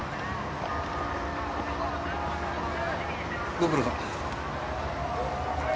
ご苦労さん。